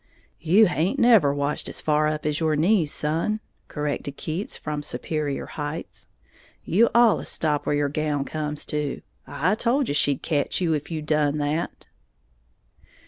"You haint never washed as far up as your knees, son," corrected Keats, from superior heights; "you allus stop where your nightgown comes to. I told you she'd ketch you if you done that!"